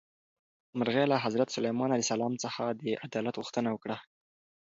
مرغۍ له حضرت سلیمان علیه السلام څخه د عدالت غوښتنه وکړه.